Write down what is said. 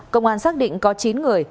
công an xác định có chín người